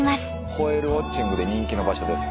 ホエールウォッチングで人気の場所です。